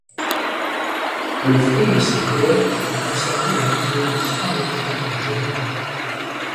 Le fruit de ses collectes est conservé au Muséum d'histoire naturelle de Genève.